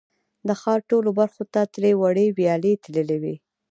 د ښار ټولو برخو ته ترې وړې ویالې تللې وې.